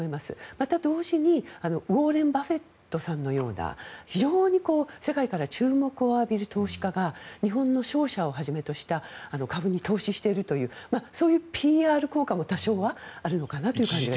また、同時にウォーレン・バフェットさんのような非常に世界から注目を浴びる投資家が日本の商社をはじめとした株に投資しているというそういうＰＲ効果も多少はあるのかなと思います。